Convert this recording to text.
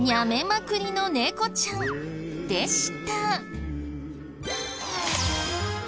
まくりの猫ちゃんでした。